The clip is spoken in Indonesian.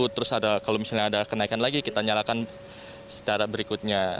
terus kalau misalnya ada kenaikan lagi kita nyalakan secara berikutnya